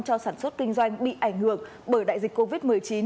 cho sản xuất kinh doanh bị ảnh hưởng bởi đại dịch covid một mươi chín